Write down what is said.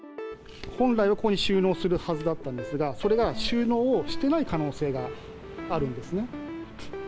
本来はここに収容するはずだったんですが、それが収納をしてない可能性があるんですね。